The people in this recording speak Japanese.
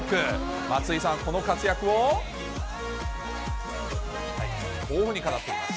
松井さん、この活躍をこういうふうに語っています。